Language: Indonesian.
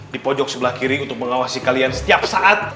di pojok sebelah kiri untuk mengawasi kalian setiap saat